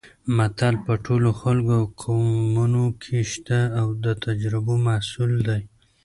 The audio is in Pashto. متل په ټولو خلکو او قومونو کې شته او د تجربو محصول دی